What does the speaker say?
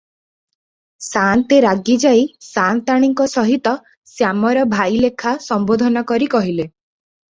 ସାଆନ୍ତେ ରାଗିଯାଇ ସାଆନ୍ତାଣୀଙ୍କ ସହିତ ଶ୍ୟାମର ଭାଇଲେଖା ସମ୍ବୋଧନ କରି କହିଲେ